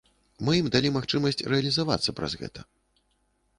Мы ім далі магчымасць рэалізавацца праз гэта.